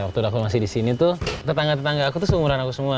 waktu aku masih di sini tuh tetangga tetangga aku tuh seumuran aku semua